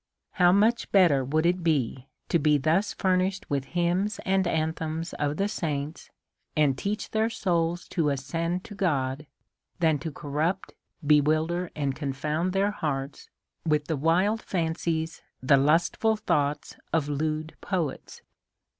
How much better would it be to be thus furnished with hymns and anthems of the saints, and teach their souls to ascend to God, than to corrupt, bewilder, and confound their hearts with the wild fancies, the lustful thoughts of lewd poets